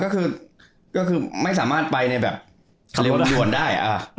ก็คือไม่สามารถไปในแบบเร็วด่วนได้